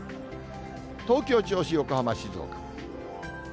東京、銚子、横浜、静岡。